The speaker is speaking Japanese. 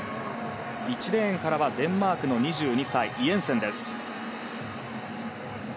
１レーンからはデンマークの２２歳イエンセンです。